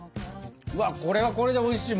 これはこれでおいしい！